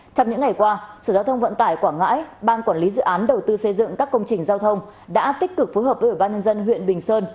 trong những ngày qua sở giao thông vận tải quảng ngãi ban quản lý dự án đầu tư xây dựng các công trình giao thông đã tích cực phối hợp với ủy ban nhân dân huyện bình sơn